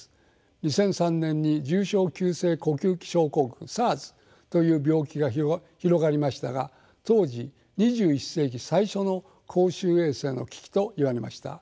２００３年に重症急性呼吸器症候群ＳＡＲＳという病気が広がりましたが当時「２１世紀最初の公衆衛生の危機」と言われました。